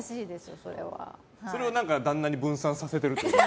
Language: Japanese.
それを旦那に分散させていると。